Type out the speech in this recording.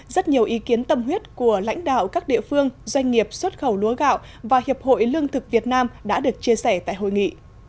rất nhiều ý kiến tâm huyết của lãnh đạo các địa phương doanh nghiệp xuất khẩu lúa gạo và hiệp hội lương thực việt nam đã được chia sẻ tại hội nghị